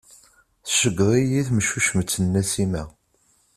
Tceggeḍ-iyi temcucmt n Nasima.